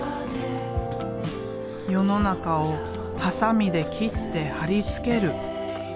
世の中をハサミで切って貼り付ける。